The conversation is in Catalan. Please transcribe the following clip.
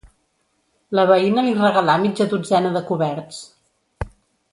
La veïna li regalà mitja dotzena de coberts.